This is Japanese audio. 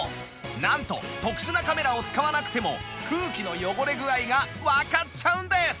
なんと特殊なカメラを使わなくても空気の汚れ具合がわかっちゃうんです！